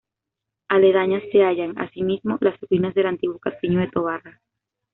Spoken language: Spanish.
Aledañas se hallan, así mismo, las ruinas del antiguo castillo de Tobarra.